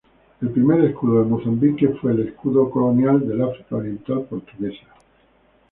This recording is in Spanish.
El primer escudo de Mozambique fue el escudo colonial del África Oriental Portuguesa.